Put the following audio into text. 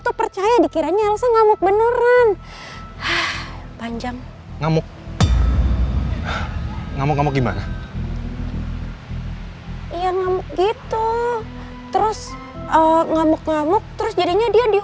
terima kasih ya